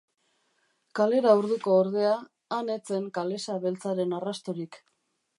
Kalera orduko, ordea, han ez zen kalesa beltzaren arrastorik.